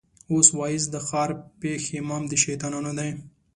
اوس واعظ د ښار پېش امام د شيطانانو دی